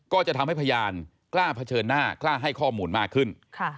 ก็จะทำให้พยานกล้าเผชิญหน้ากล้าให้ข้อมูลมากขึ้น